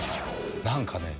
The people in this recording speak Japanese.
「何かね